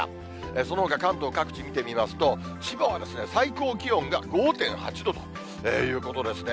そのほか関東各地、見てみますと、千葉は最高気温が５．８度ということですね。